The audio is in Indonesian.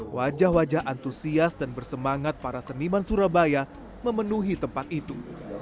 wajah wajah antusias dan bersemangat para seniman surabaya memenuhi tempat itu